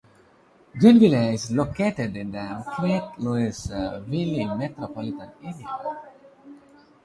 Greenville is located in the greater Louisville metropolitan area.